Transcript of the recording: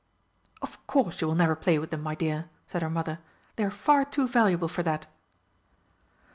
"Of course you will never play with them, my dear," said her mother, "they are far too valuable for that."